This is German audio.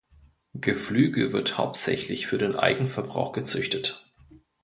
Geflügel wird hauptsächlich für den Eigenverbrauch gezüchtet.